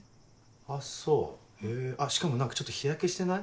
あっそうへぇしかも何かちょっと日焼けしてない？